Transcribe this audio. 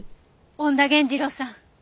恩田源次郎さん。